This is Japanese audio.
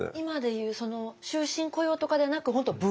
今で言う終身雇用とかではなく本当